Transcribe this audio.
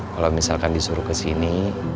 kalau misalkan disuruh kesini